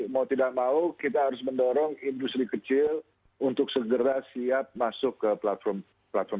mau tidak mau kita harus mendorong industri kecil untuk segera siap masuk ke platform